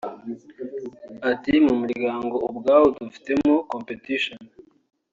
Ati “Mu muryango ubwawo dufitemo competition